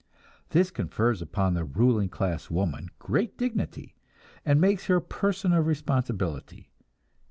This confers upon the ruling class woman great dignity, and makes her a person of responsibility.